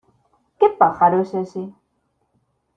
¿ qué pájaro es ese?...